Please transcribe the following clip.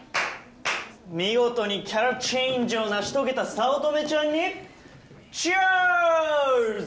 見事にキャラチェンジを成し遂げた早乙女ちゃんにチアーズ！